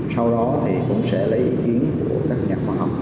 sau đó thì cũng sẽ lấy ý kiến của đắc nhập